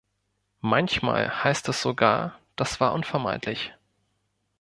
Manchmal heißt es sogar, das war unvermeidlich.